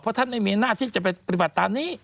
ท่านไม่มีอำนาจที่จะไปปฏิบัติตามนี้